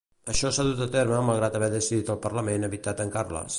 Això s'ha dut a terme malgrat haver decidit al Parlament evitar tancar-les.